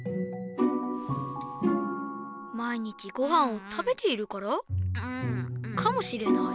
まいにちごはんをたべているからかもしれない。